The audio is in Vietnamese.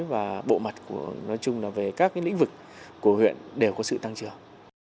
và bộ mặt nói chung là về các lĩnh vực của huyện đều có sự tăng trưởng